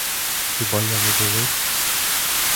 Хіба я не долив?